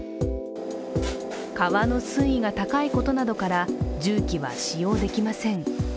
川の水位が高いことなどから重機は使用できません。